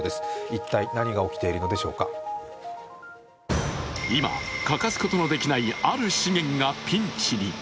一体、何が起きているのでしょうか今、欠かすことのできないある資源がピンチに。